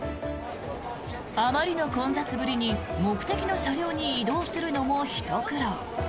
あまりの混雑ぶりに目的の車両に移動するのもひと苦労。